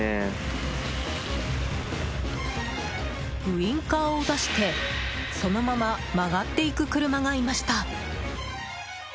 ウィンカーを出して、そのまま曲がっていく車がいました。